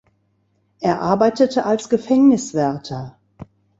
Er arbeitete als Gefängniswärter.